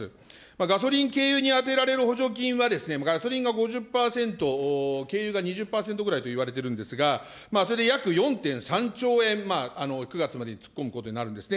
ガソリン・軽油に充てられる補助金は、ガソリンが５０％、軽油が２０％ぐらいといわれているんですが、それで約４．３兆円、９月までに突っ込むことになるんですね。